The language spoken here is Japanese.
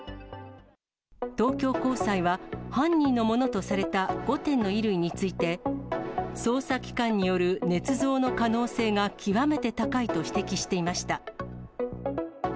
東京高裁は、犯人のものとされた５点の衣類について、捜査機関によるねつ造の可能性が極めて高いと指摘していました。